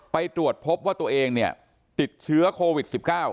ไปตรวจพบว่าตัวเองเนี่ยติดเชื้อโควิด๑๙